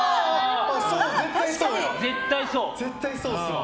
絶対そうっすわ。